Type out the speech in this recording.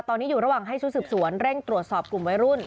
ตอนนี้อยู่ระหว่างให้ชุดสืบสวนเร่งตรวจสอบกลุ่มวัยรุ่น